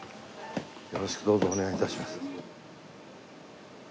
よろしくどうぞお願い致します。